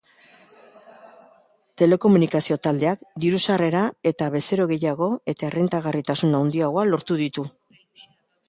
Telekomunikazio taldeak diru-sarrera eta bezero gehiago eta errentagarritasun handiagoa lortu ditu.